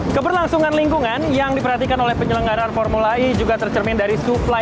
nah keberlangsungan lingkungan yang digunakan oleh penyelenggaran formula e juga tercermin dari suplai listrik yang digunakan